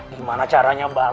gimana caranya mbak al